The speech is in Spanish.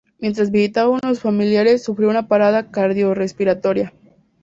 Mientras visitaba a unos familiares sufrió una parada cardiorrespiratoria.